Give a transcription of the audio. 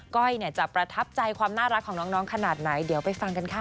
้อยจะประทับใจความน่ารักของน้องขนาดไหนเดี๋ยวไปฟังกันค่ะ